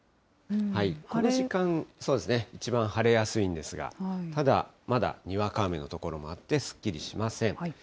この時間、一番晴れやすいんですが、ただ、まだにわか雨の所もあって、すっきりしません。